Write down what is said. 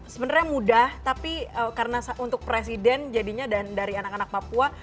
sebenarnya mudah tapi karena untuk presiden jadinya dan dari anak anak papua